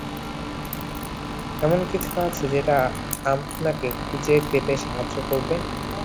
এমন কিছু আছে যেটা আম্পনাকে খুঁজে পেতে সাহায্য করবে?